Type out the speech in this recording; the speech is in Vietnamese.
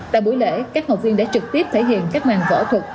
tại buổi lễ các học viên đã trực tiếp thể hiện các màn võ thuật